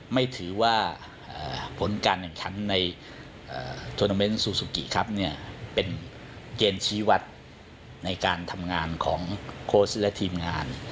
ไม่ถือว่าผลการแข่งขันในทวนเตอร์เมนต์ซูซูกิครับเป็นเกณฑ์ชีวัตรในการทำงานของโคสต์และทีมงาน